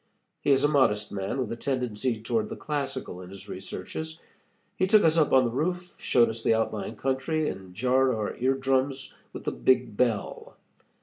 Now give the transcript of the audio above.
He is a modest man, with a tendency toward the classical in his researches. He took us up on the roof, showed us the outlying country, and jarred our ear drums with the big bell.